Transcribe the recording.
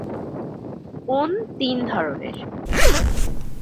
কোন্ তিন ধরনের।